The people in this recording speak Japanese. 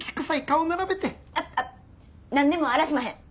あっあっ何でもあらしまへん。